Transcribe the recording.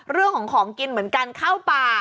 เรื่องของของกินเหมือนกันเข้าป่า